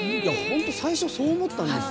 最初、そう思ったんですよ。